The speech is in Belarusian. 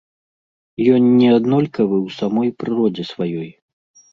Ён не аднолькавы ў самой прыродзе сваёй.